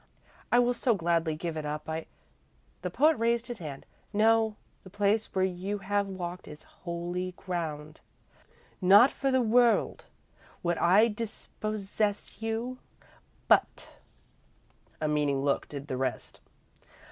I will so gladly give it up I " The poet raised his hand. "No. The place where you have walked is holy ground. Not for the world would I dispossess you, but " A meaning look did the rest.